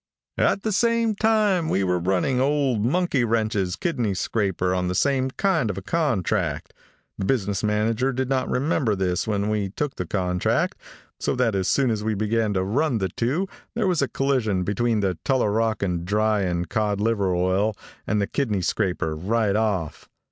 "At the same time we were running old Monkeywrench's Kidney Scraper on the same kind of a contract. The business manager did not remember this when we took the contract, so that as soon as we began to run the two there was a collision between the Tolurockandryeandcodliver oil and the Kidney Scraper right off.